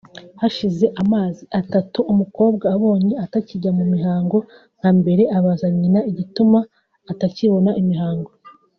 Hashize amazi atatu umukobwa abonye atakijya mu mihango nka mbere abaza nyina igituma atakibona imihango